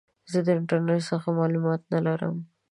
زه د انټرنیټ څخه معلومات نه لرم.